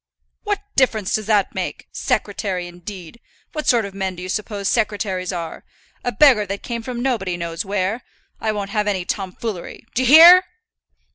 "What difference does that make? Secretary, indeed! What sort of men do you suppose secretaries are? A beggar that came from nobody knows where! I won't have any tomfoolery; d'ye hear?"